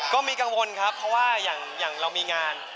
ก็มีกังวลครับเพราะว่าอย่างเรามีงาน